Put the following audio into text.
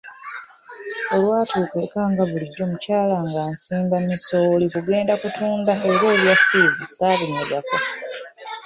Olwatuuka eka nga bulijjo mukyala ng'ansimba misooli kugenda kutunda era ebya ffiizi ssaabinyegako.